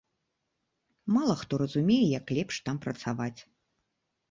Мала хто разумее, як лепш там працаваць.